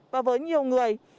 và với nhiều người